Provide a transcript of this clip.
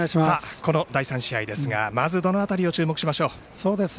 第３試合ですがまずどの辺りを注目しましょう？